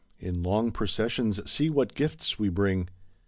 In long processions see what gifts we bring.